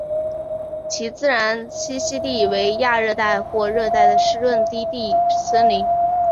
其自然栖息地为亚热带或热带的湿润低地森林。